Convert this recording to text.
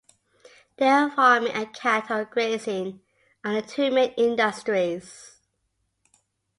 Dairy farming and cattle grazing are the two main industries.